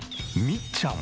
みっちゃん！